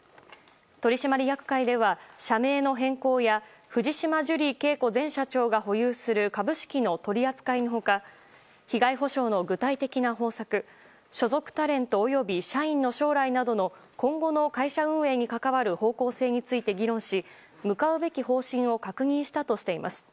取締役会では社名の変更や藤島ジュリー景子前社長が保有する株式の取り扱いの他被害補償の具体的な方策所属タレントおよび社員の将来などの今後の会社運営に関わる方向性について議論し向かうべき方針を確認したとしています。